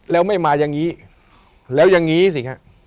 แล้วไม่มายังงี้แล้วยังงี้สิฮะ